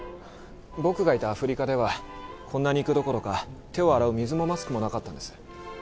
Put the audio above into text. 僕がいたアフリカではこんな肉どころか手を洗う水もマスクもなかったんです。